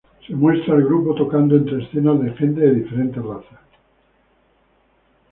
Se muestra al grupo tocando, entre escenas de gente de diferentes razas.